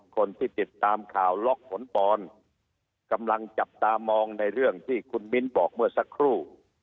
คนที่ติดตามข่าวล็อกผลปอนกำลังจับตามองในเรื่องที่คุณมิ้นบอกเมื่อสักครู่